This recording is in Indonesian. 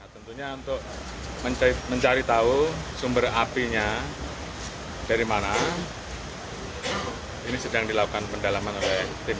tentunya untuk mencari tahu sumber apinya dari mana ini sedang dilakukan pendalaman oleh tim